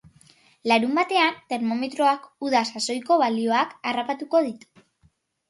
Larunbatean termometroak uda sasoiko balioak harrapatuko ditu.